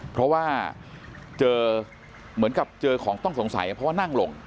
เพราะว่าเจอเหมือนกับเจอของต้องสงสัยเพราะว่านั่งลง